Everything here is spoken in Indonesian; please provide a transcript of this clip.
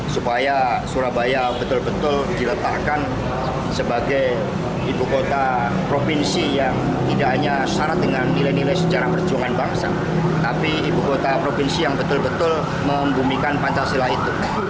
supaya surabaya betul betul diletakkan sebagai ibu kota provinsi yang tidak hanya syarat dengan nilai nilai sejarah perjuangan bangsa tapi ibu kota provinsi yang betul betul membumikan pancasila itu